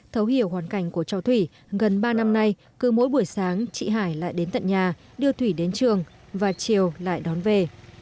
thấu hiểu hoàn cảnh của cháu thủy gần ba năm nay cứ mỗi buổi sáng chị hải lại đến tận nhà đưa thủy đến trường và chiều lại đón về